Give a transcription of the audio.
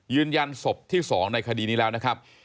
ยืนยันศพที่๒ในคดีนี้แล้วนะครับ